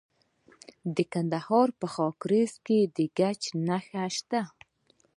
د کندهار په خاکریز کې د ګچ نښې شته.